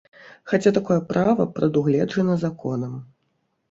Хаця такое права прадугледжана законам.